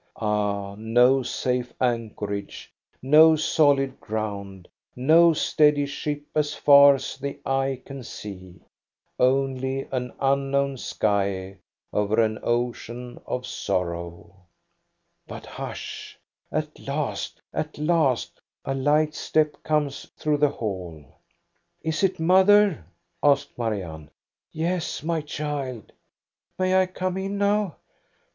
Ah, no safe anchorage, no solid ground, no steady ship, as far as the eye can see ; only an unknown sky over an ocean of sorrow ! But hush ! At last, at last ! A light step comes through the hall. " Is it mother?" asked Marianne. " Yes, my child." " May I come in now?"